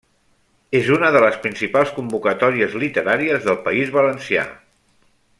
És una de les principals convocatòries literàries del País Valencià.